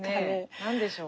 何でしょう？